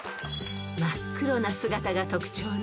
［真っ黒な姿が特徴の］